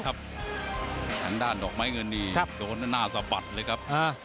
ทางด้านดอกไม้เงินนี่โดนหน้าสะบัดเลยครับ